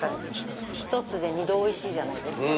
１つで２度おいしいじゃないですけど。